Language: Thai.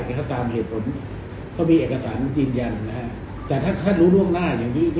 ก็ตามเหตุผลเขามีเอกสารยืนยันนะฮะแต่ถ้าท่านรู้ล่วงหน้าอย่างนี้